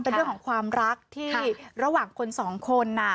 เป็นเรื่องของความรักที่ระหว่างคนสองคน